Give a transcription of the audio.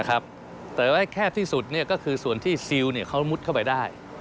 แต่ว่าแคบที่สุดก็คือส่วนที่ซิลเขามุดเข้าไปได้